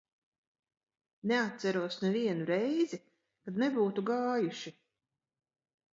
Neatceros nevienu reizi, kad nebūtu gājuši.